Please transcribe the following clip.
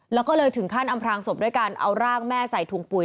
แล้วก็เลยถึงขั้นอำพลางศพด้วยการเอาร่างแม่ใส่ถุงปุ๋ย